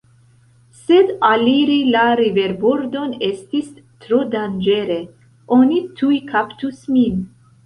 Sed aliri la riverbordon estis tro danĝere, oni tuj kaptus nin.